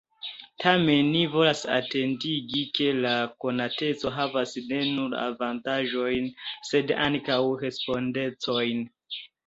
Tamen ni volas atentigi, ke la konateco havas ne nur avantaĝojn, sed ankaŭ respondecojn.